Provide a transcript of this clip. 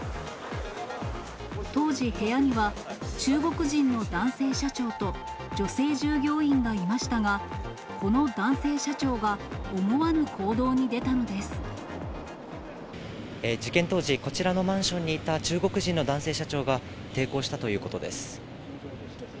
当時、部屋には、中国人の男性社長と女性従業員がいましたが、この男性社長が思わ事件当時、こちらのマンションにいた中国人の男性社長が抵抗したということです。